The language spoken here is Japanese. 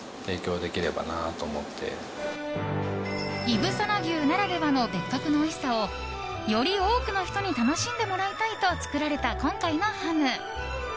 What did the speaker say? いぶさな牛ならではの別格のおいしさをより多くの人に楽しんでもらいたいと作られた今回のハム。